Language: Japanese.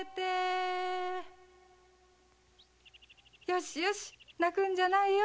よしよし泣くんじゃないよ。